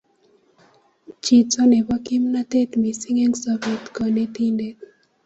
chito nebo kimnatet mising' eng' sobet konetindet